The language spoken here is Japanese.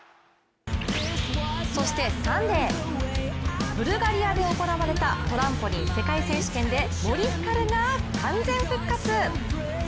そしてサンデーブルガリアで行われたトランポリン世界選手権で森ひかるが完全復活。